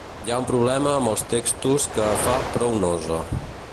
Hi ha un problema amb els textos que fa prou nosa.